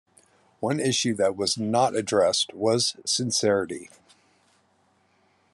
One issue that was not addressed was sincerity.